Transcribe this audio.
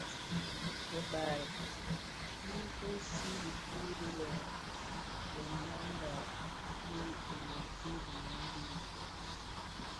Ribal Nyi fusii dhikuu di lenyambaï bi ilöň ki dhimandé.